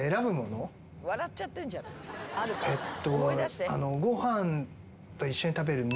えっと。